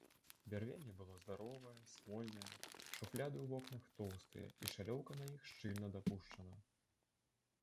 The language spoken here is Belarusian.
Бярвенне было здаровае, смольнае, шуфляды ў вокнах тоўстыя і шалёўка на іх шчыльна дапушчана.